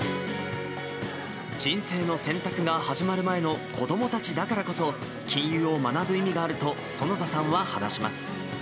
人生の選択が始まる前の子どもたちだからこそ、金融を学ぶ意味があると、園田さんは話します。